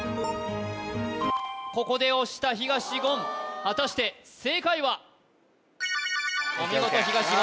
ここで押した東言果たして正解はお見事東言